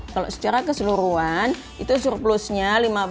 kalau secara keseluruhan itu surplusnya lima belas